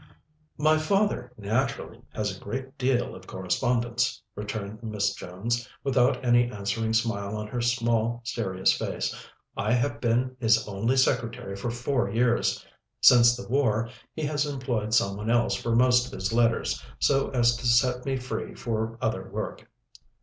"My father naturally has a great deal of correspondence," returned Miss Jones, without any answering smile on her small, serious face. "I have been his only secretary for four years. Since the war he has employed some one else for most of his letters, so as to set me free for other work."